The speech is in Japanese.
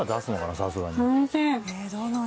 さすがに。